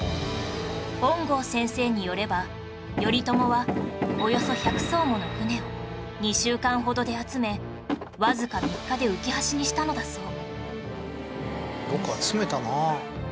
本郷先生によれば頼朝はおよそ１００艘もの舟を２週間ほどで集めわずか３日で浮き橋にしたのだそう